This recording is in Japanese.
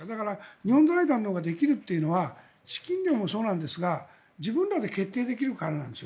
日本財団のほうができるというのは資金面もそうですが、自分たちで決定できるからなんですよ。